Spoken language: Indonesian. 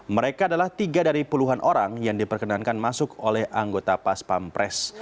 mereka adalah tiga dari puluhan orang yang diperkenankan masuk oleh anggota pas pampres